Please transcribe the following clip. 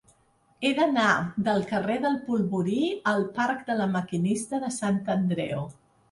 He d'anar del carrer del Polvorí al parc de La Maquinista de Sant Andreu.